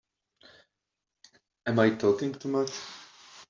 Am I talking too much?